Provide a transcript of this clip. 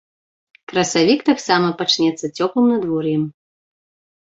Красавік таксама пачнецца цёплым надвор'ем.